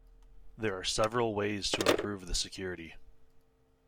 There are several ways to improve the security.